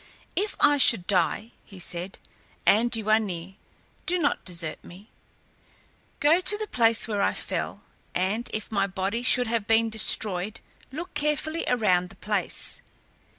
"If I should die," he said, "and you are near, do not desert me. Go to the place where I fell, and if my body should have been destroyed look carefully around the place.